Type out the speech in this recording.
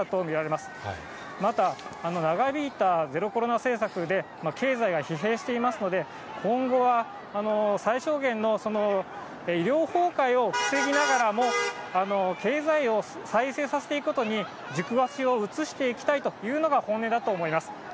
また、長引いたゼロコロナ政策で、経済が疲弊していますので、今後は、最小限の、医療崩壊を防ぎながらも、経済を再生させていくことに軸足を移していきたいというのが本音だと思います。